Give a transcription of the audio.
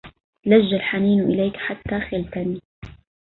لج الحنين إليك حتى خلتني